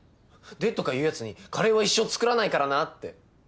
「で」とか言うやつにカレーは一生作らないからなって。